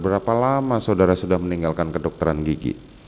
berapa lama saudara sudah meninggalkan kedokteran gigi